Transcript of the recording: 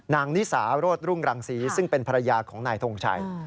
นิสารโรธรุ่งรังศรีซึ่งเป็นภรรยาของนายทงชัย